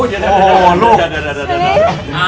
โหโหโหเดี๋ยว